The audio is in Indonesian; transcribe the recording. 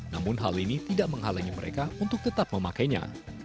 namun hal ini tidak menghalangi mereka untuk tetap memakainya